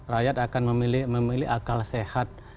rakyat akan memilih akal sehat